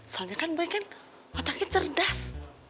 soalnya kan baik kan otaknya cerdas